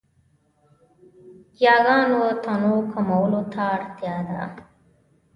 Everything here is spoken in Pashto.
یاګانو تنوع کمولو ته اړتیا ده.